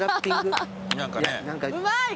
うまい！